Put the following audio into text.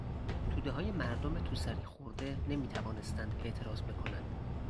تودههای مردم تو سری خورده نمیتوانستند اعتراض بکنند.